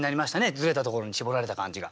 ずれたところにしぼられた感じが。